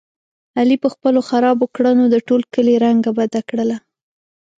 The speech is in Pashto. علي په خپلو خرابو کړنو د ټول کلي رنګه بده کړله.